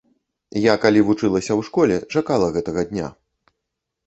Я, калі вучылася ў школе, чакала гэтага дня.